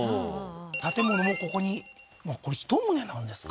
建物もここにこれ１棟なんですか？